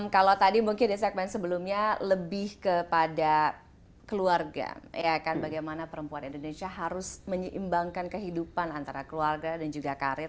kalau tadi mungkin di segmen sebelumnya lebih kepada keluarga bagaimana perempuan indonesia harus menyeimbangkan kehidupan antara keluarga dan juga karir